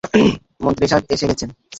মন্ত্রী সাহেব এসে গেছেন।